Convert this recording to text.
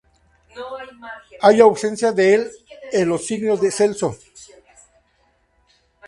Hay ausencia del e los signos de Celso.